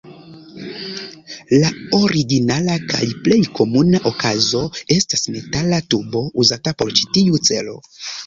La originala kaj plej komuna okazo estas metala tubo uzata por ĉi tiu celo.